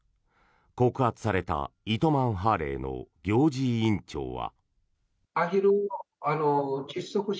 告発された糸満ハーレーの行事委員長は。